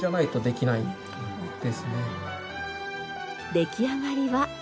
出来上がりは。